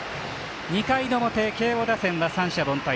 ２回の表、慶応打線は三者凡退。